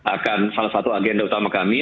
akan salah satu agenda utama kami